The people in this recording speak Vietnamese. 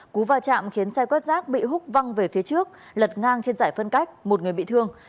cú va chạm khiến xe quét rác bị hút văng về phía trước lật ngang trên giải phân cách một người bị thương